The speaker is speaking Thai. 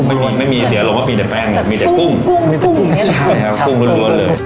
ไม่มีไม่มีเสียอารมณ์ว่ามีแต่แป้งเนี่ยมีแต่กุ้งกุ้งกุ้งใช่ครับกุ้งรวดรวดเลย